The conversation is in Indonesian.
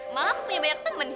wah ke puncak nih